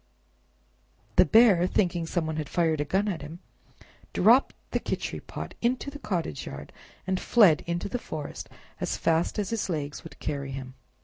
The Bear, thinking some one had fired a gun at him, dropped the Khichri pot into the cottage yard, and fled into the forest as fast as his legs would carry him.